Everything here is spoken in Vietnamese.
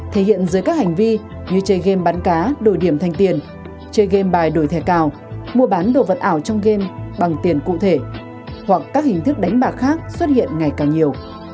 thể hiện dưới các hành vi như chơi game bắn cá đổi điểm thành tiền chơi game bài đổi thẻ cào mua bán đồ vật ảo trong game bằng tiền cụ thể hoặc các hình thức đánh bạc khác xuất hiện ngày càng nhiều